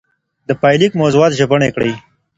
د پايليک موضوعات ژبني کړئ.